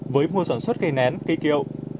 với mua sản xuất cây nén cây kiệu